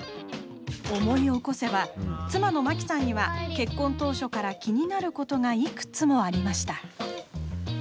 思い起こせば、妻のまきさんには結婚当初から、気になることがいくつもありました。